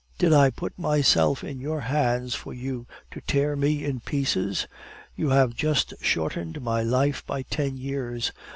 "Did I put myself in your hands for you to tear me in pieces? You have just shortened my life by ten years!